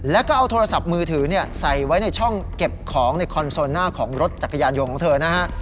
แล้วก็เอาโทรศัพท์มือถือใส่ไว้ในช่องเก็บของในคอนโซลหน้าของรถจักรยานยนต์ของเธอนะฮะ